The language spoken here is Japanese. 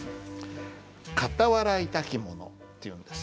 「かたはらいたきもの」っていうんです。